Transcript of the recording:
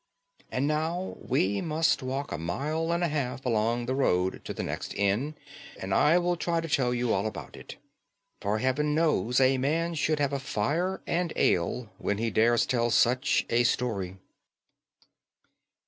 And now we must walk a mile and a half along the road to the next inn, and I will try to tell you all about it. For Heaven knows a man should have a fire and ale when he dares tell such a story."